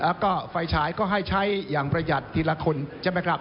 แล้วก็ไฟฉายก็ให้ใช้อย่างประหยัดทีละคนใช่ไหมครับ